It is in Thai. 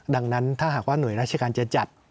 ดังนั้นถ้าหากว่าหน่วยราชการจะจัด